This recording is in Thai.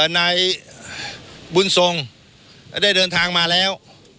นายบุญทรงได้เดินทางมาแล้ว